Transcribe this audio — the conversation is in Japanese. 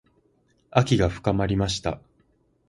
秋が深まりました。